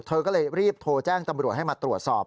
เธอก็เลยรีบโทรแจ้งตำรวจให้มาตรวจสอบ